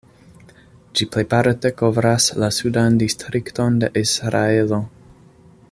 Ĝi plejparte kovras la Sudan Distrikton de Israelo.